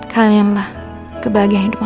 kalianlah kebahagiaan hidup mama